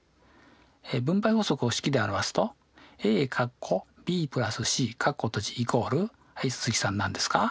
分配法則を式で表すとはい鈴木さん何ですか？